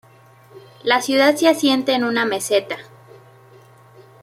La ciudad se asienta en una meseta.